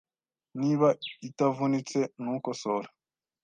Niba itavunitse, ntukosore.